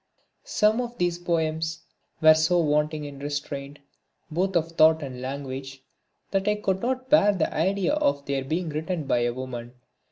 Some of these poems were so wanting in restraint both of thought and language that I could not bear the idea of their being written by a woman.